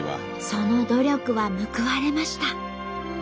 その努力は報われました。